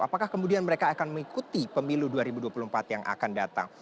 apakah kemudian mereka akan mengikuti pemilu dua ribu dua puluh empat yang akan datang